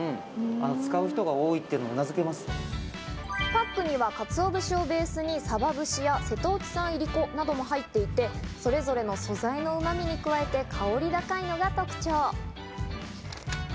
パックにはかつお節をベースにさば節や瀬戸内産いりこなども入っていて、それぞれの素材やうま味に加えて香り高いのが特徴。